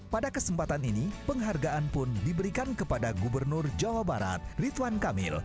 pada kesempatan ini penghargaan pun diberikan kepada gubernur jawa barat rituan kamil